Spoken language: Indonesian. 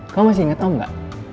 kamu masih inget om nggak